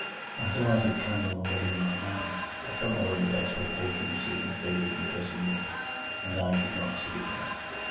I had a lighted candle already in my hand. I felt no inward expectation of seeing the figure in the dressing room, and I did not see it there.